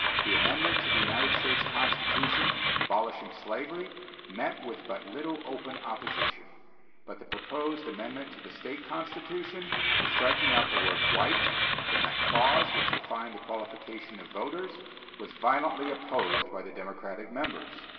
The amendment to the United States Constitution, abolishing slavery, met with but little open opposition; but the proposed amendment to the State Constitution, striking out the word "white" from that clause which defined the qualifications of voters, was violently opposed by the Democratic members.